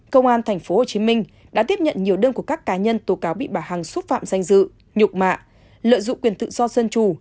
công an tp hcm đã tiếp nhận nhiều đơn của các cá nhân tố cáo bị bà hằng xúc phạm danh dự nhục mạ lợi dụng quyền tự do dân chủ